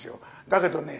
だけどね